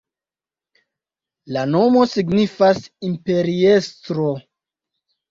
La nomo signifas imperiestro.